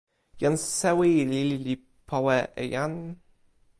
jan sewi lili li powe e jan.